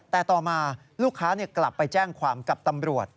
แต่ต่อมาลูกค้ากลับไปแจ้งความกับตำรวจ